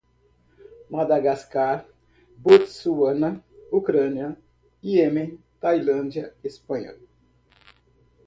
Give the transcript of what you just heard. Madagáscar, Botswana, Ucrânia, Iêmen, Tailândia, Espanha